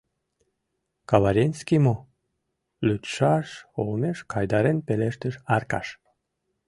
— Каваренский мо? — лӱдшаш олмеш кайдарен пелештыш Аркаш.